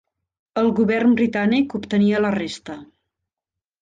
El govern britànic obtenia la resta.